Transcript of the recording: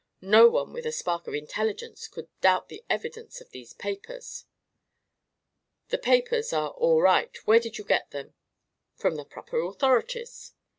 No one with a spark of intelligence could doubt the evidence of these papers." "The papers are all right. Where did you get them?" "From the proper authorities."